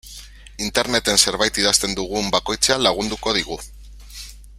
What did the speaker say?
Interneten zerbait idazten dugun bakoitzean lagunduko digu.